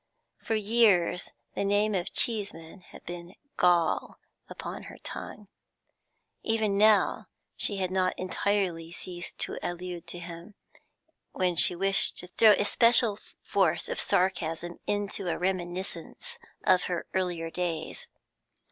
For years the name of Cheeseman had been gall upon her tongue; even now she had not entirely ceased to allude to him, when she wished to throw especial force of sarcasm into a reminiscence of her earlier days.